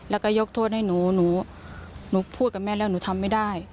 แล้วก็ยกโทษให้หนูหนูพูดกับแม่แล้วหนูทำไม่ได้